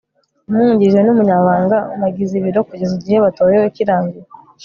umwungirije n'umunyamabanga bagize ibiro kugeza igihe batorewe kirangiye